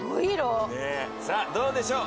さあどうでしょう？